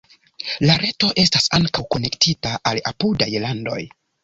La reto estas ankaŭ konektita al apudaj landoj.